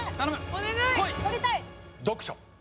お願い！